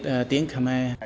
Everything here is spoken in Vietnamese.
không biết tiếng khmer